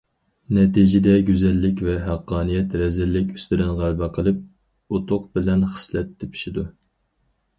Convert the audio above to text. نەتىجىدە گۈزەللىك ۋە ھەققانىيەت رەزىللىك ئۈستىدىن غەلىبە قىلىپ، ئۇتۇق بىلەن خىسلەت تېپىشىدۇ.